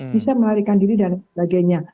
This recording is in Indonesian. bisa melarikan diri dan sebagainya